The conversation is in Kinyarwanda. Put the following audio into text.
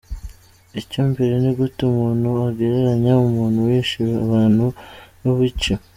Icya mbere ni gute umuntu agereranya umuntu wishe abantu n’uwiciwe.